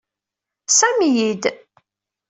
Sami-iyi-d.